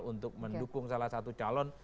untuk mendukung salah satu calon